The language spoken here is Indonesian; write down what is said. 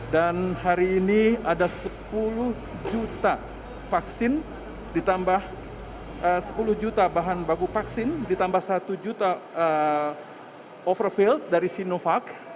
dan hari ini ada sepuluh juta vaksin ditambah sepuluh juta bahan bagu vaksin ditambah satu juta overfilled dari sinovac